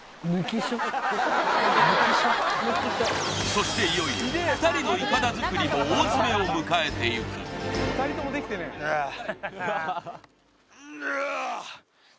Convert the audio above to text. そしていよいよ２人のイカダ作りも大詰めを迎えていくああうあっ！